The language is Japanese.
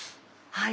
はい。